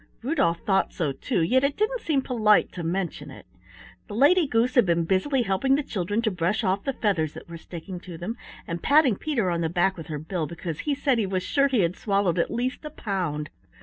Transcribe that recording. Rudolf thought so, too, yet it didn't seem polite to mention it. The Lady Goose had been busily helping the children to brush off the feathers that were sticking to them, and patting Peter on the back with her bill because he said he was sure he had swallowed at least a pound.